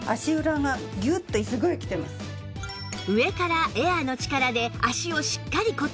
上からエアの力で足をしっかり固定